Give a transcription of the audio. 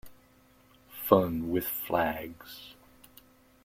Fun with flags.